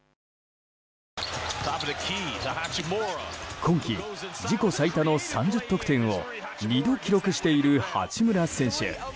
今季、自己最多の３０得点を２度記録している八村選手。